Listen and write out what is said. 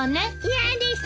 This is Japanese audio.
嫌です。